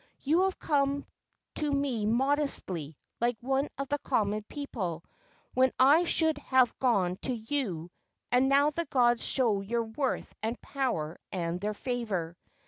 You have come to me modestly, like one of the common people, when I should have gone to you, and now the gods show your worth and power and their favor."